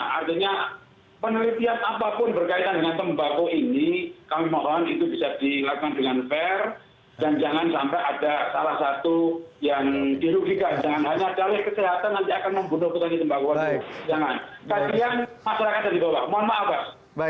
kesentrasi penghasil tembakau di tiranya temanggung di beberapa tempat juga